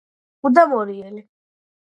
კუ და მორიელი